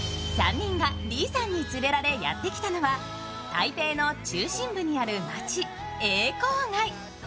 ３人が李さんに連れられてやってきたのは台北の中心部にある街、永康街。